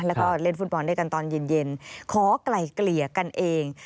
แล้วก็เล่นฟุตบอลด้วยกันตอนเย็นขอไกล่เกลี่ยกันเอง